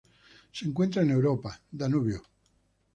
Se encuentra en Europa: Danubio.